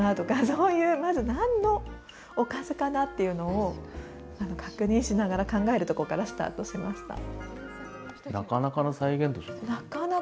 そういう、まず何のおかずかなっていうのを確認しながら考えるところからスタートしました。